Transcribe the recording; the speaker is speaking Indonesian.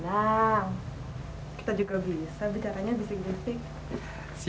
nah kita juga bisa bicaranya bisa gitu sih